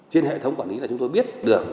trên hệ thống quản lý là chúng tôi biết được